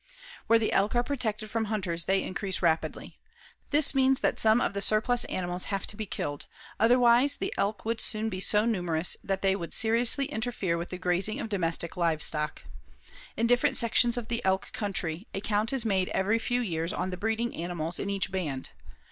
Where the elk are protected from hunters they increase rapidly. This means that some of the surplus animals have to be killed, otherwise, the elk would soon be so numerous that they would seriously interfere with the grazing of domestic livestock. In different sections of the elk country, a count is made every few years on the breeding animals in each band.